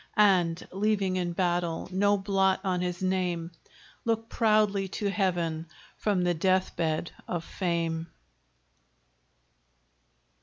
And, leaving in battle no blot on his name, Look proudly to Heaven from the death bed of fame.